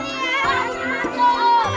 aduh kamu jatoh ya